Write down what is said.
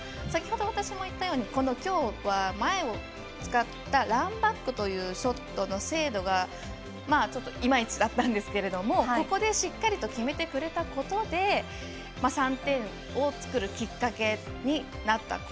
先ほど私もいったようにきょうは前を使ったランバックというショットの精度がちょっといまいちだったんですけれどもここでしっかりと決めてくれたことで３点を作るきっかけになった。